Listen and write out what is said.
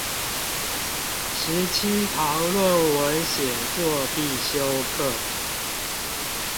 十七堂論文寫作必修課